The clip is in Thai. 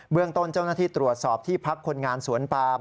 เรื่องต้นเจ้าหน้าที่ตรวจสอบที่พักคนงานสวนปาม